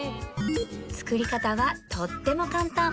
作り方はとっても簡単